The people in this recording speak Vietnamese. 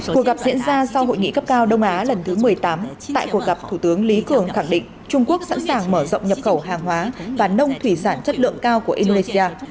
cuộc gặp diễn ra sau hội nghị cấp cao đông á lần thứ một mươi tám tại cuộc gặp thủ tướng lý cường khẳng định trung quốc sẵn sàng mở rộng nhập khẩu hàng hóa và nông thủy sản chất lượng cao của indonesia